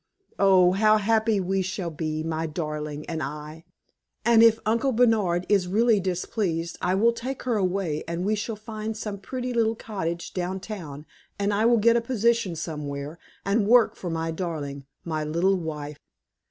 Oh! how happy we shall be my darling and I! And if Uncle Bernard is really displeased, I will take her away, and we will find some pretty little cottage down town, and I will get a position somewhere and work for my darling my little wife!"